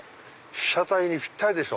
被写体にぴったりでしょ。